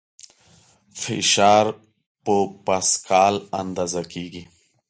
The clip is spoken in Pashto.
فشار په پاسکال کې اندازه کېږي.